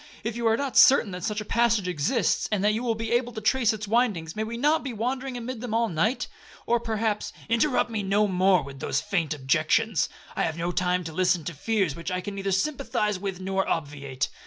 If you are not certain that such a passage exists, and that you will be able to trace its windings, may we not be wandering amid them all night? Or perhaps—' 'Interrupt me no more with those faint objections; I have no time to listen to fears which I can neither sympathise with or obviate.